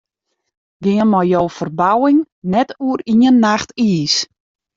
Gean mei jo ferbouwing net oer ien nacht iis.